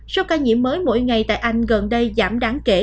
số ca nhiễm mới mỗi ngày tại anh gần đây giảm đáng kể